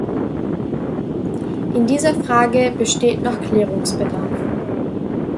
In dieser Frage besteht noch Klärungsbedarf.